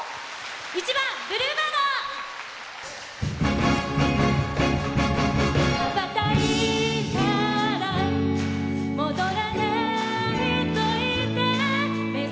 １番「ブルーバード」。